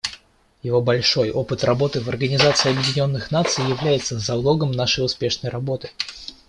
Его большой опыт работы в Организации Объединенных Наций является залогом нашей успешной работы.